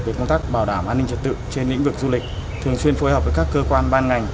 về công tác bảo đảm an ninh trật tự trên lĩnh vực du lịch thường xuyên phối hợp với các cơ quan ban ngành